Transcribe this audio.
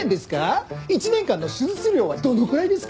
１年間の手術量はどのくらいですか？